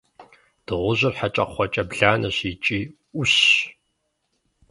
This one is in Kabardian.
Дыгъужьыр – хьэкӏэкхъуэкӏэ бланэщ икӏи ӏущщ.